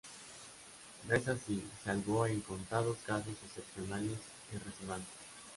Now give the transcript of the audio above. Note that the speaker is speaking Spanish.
No es así, salvo en contados casos excepcionales y resonantes.